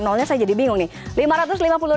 nolnya saya jadi bingung nih